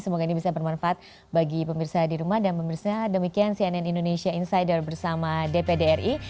semoga ini bisa bermanfaat bagi pemirsa di rumah dan pemirsa demikian cnn indonesia insider bersama dpd ri